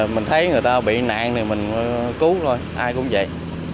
mình thấy người ta bị nạn thì mình cứu thôi ai cũng vậy